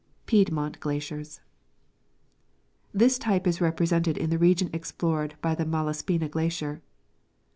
Piedmont Glaciers. This type is represented in the region explored by the Malas pina glacier.